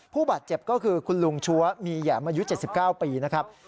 ผู้บาดเจ็บก็คือคุณลุงชัวมีแหยมอายุ๗๙ปีนะครับ